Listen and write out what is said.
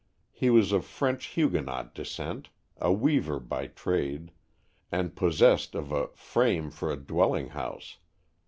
He was of French Huguenot descent, a weaver by trade, and possessed of a "frame for a dwelling house